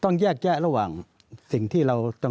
ต้องแยกแยะระหว่างสิ่งที่เราต้อง